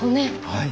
はい。